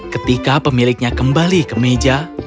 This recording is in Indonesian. ketika pemiliknya kembali ke meja